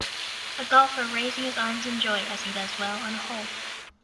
A golfer raising his arms in joy as he does well on a hole.